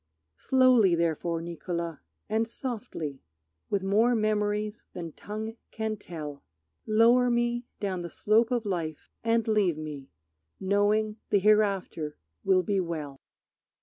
Slowly therefore, Niccolo, and softly, With more memories than tongue can tell, Lower me down the slope of life, and leave me Knowing the hereafter will be well.